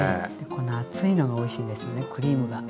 この厚いのがおいしいんですよねクリームが。